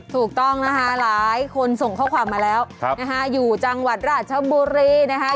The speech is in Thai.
ถูกต้องนะคะหลายคนส่งข้อความมาแล้วนะฮะอยู่จังหวัดราชบุรีนะคะ